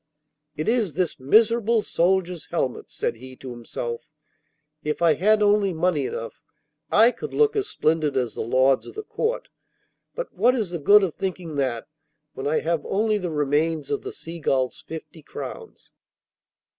'It is this miserable soldier's helmet,' said he to himself 'If I had only money enough I could look as splendid as the lords of the Court; but what is the good of thinking of that when I have only the remains of the Seagull's fifty crowns?